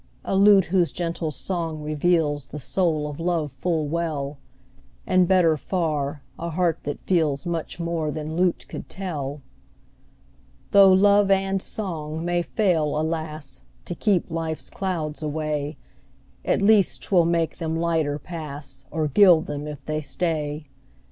A lute whose gentle song reveals The soul of love full well; And, better far, a heart that feels Much more than lute could tell. Tho' love and song may fail, alas! To keep life's clouds away, At least 'twill make them lighter pass, Or gild them if they stay.